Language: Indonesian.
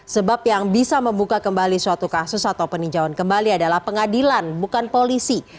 sebab yang bisa membuka kembali suatu kasus atau peninjauan kembali adalah pengadilan bukan polisi